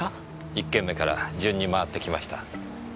１件目から順に回ってきました。